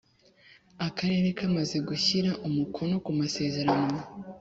Akarere kamaze gushyira umukono kumasezerano